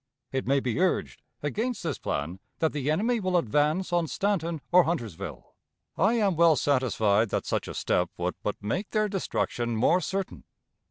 It may be urged, against this plan, that the enemy will advance on Staunton or Huntersville. I am well satisfied that such a step would but make their destruction more certain.